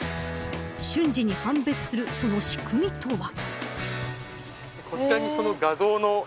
瞬時に判別するその仕組みとは。